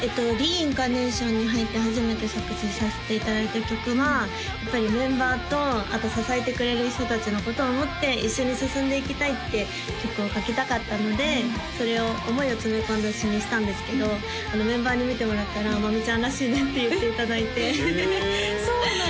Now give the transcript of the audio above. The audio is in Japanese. はいＲｅ：ＩＮＣＡＲＮＡＴＩＯＮに入って初めて作詞させていただいた曲はやっぱりメンバーとあと支えてくれる人達のことを思って一緒に進んでいきたいって曲を書きたかったのでそれを思いを詰め込んだ詞にしたんですけどメンバーに見てもらったら「まみちゃんらしいね」って言っていただいてそうなんだ